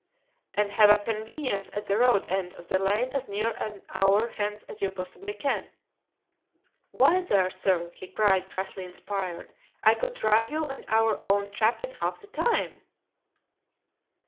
"And have a conveyance at the road end of the lane as near an hour hence as you possibly can?" "Why, there, sir!" he cried, crassly inspired; "I could drive you in our own trap in half the time."